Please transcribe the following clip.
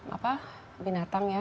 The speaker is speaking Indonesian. apakah binatang ya